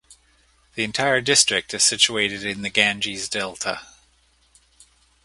The entire district is situated in the Ganges Delta.